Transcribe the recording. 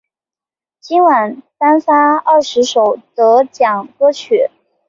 全晚颁发二十首得奖歌曲。